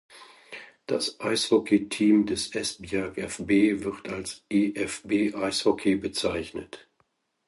Das Eishockeyteam des Esbjerg fB wird als EfB Ishockey bezeichnet.